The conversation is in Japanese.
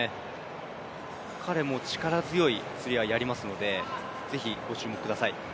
彼も力強いつり輪やりますので、ぜひご注目ください。